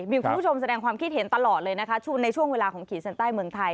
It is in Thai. มีคุณผู้ชมแสดงความคิดเห็นตลอดเลยนะคะในช่วงเวลาของขีดเส้นใต้เมืองไทย